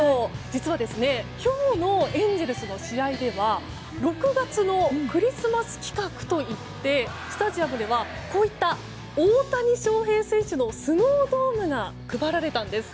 実は今日のエンゼルスの試合では６月のクリスマス企画といってスタジアムではこういった大谷翔平選手のスノードームが配られたんです。